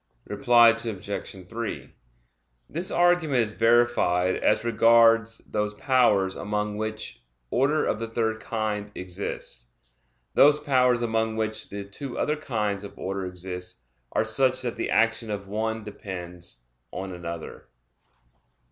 Reply Obj. 3: This argument is verified as regards those powers among which order of the third kind exists. Those powers among which the two other kinds of order exist are such that the action of one depends on another.